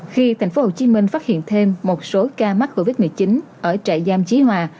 khi tp hcm phát hiện thêm một số ca mắc covid một mươi chín ở trại giam trí hòa